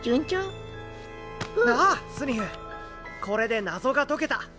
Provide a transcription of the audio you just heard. これで謎が解けた。